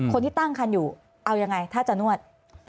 คนที่ตั้งคันอยู่เอายังไงถ้าจะนวด